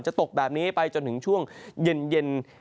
ตกแบบนี้ไปจนถึงช่วงเย็น